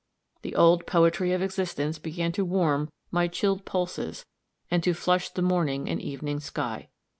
The old poetry of existence began to warm my chilled pulses and to flush the morning and evening sky.